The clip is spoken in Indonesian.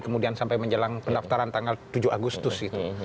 kemudian sampai menjelang pendaftaran tanggal tujuh agustus itu